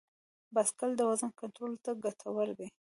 بایسکل د وزن کنټرول ته ګټور دی.